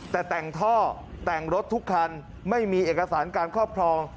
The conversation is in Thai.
แต่แต่งท่อแต่งรถทุกคันไม่มีเอกสารการครอบครอง